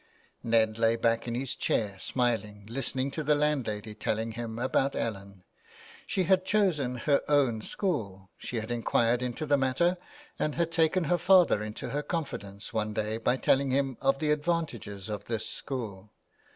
Ned lay back in his chair smiling, listening to the landlady telling him about Ellen. She had chosen her own school. She had inquired into the matter, and had taken her father into her confidence one day by telling him of the advantages of this school.